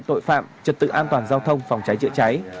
tội phạm trật tự an toàn giao thông phòng cháy chữa cháy